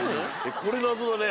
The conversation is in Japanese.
これ謎だね。